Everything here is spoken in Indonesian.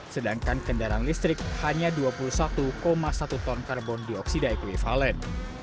sedangkan kendaraan listrik hanya dua puluh satu satu ton karbon dioksida ekvivalen